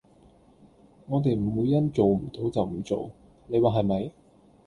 我地唔會因做唔到就唔做，你話係咪？